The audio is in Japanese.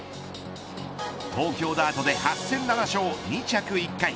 東京ダートで８戦７勝２着１回